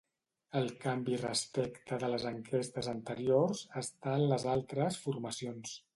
El canvi respecte de les enquestes anteriors està en les altres formacions.